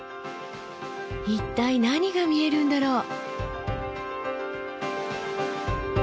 一体何が見えるんだろう。